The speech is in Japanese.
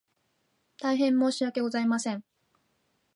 大変申し訳ございません